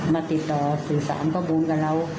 มาติดต่อสื่อสารกระบวนกับเรา